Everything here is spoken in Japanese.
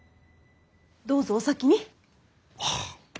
どうぞお先に。